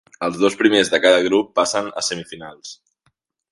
Els dos primers de cada grup passen a semifinals.